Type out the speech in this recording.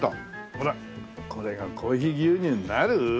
ほらこれがコーヒー牛乳になる？